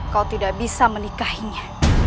kau tidak bisa menikahinya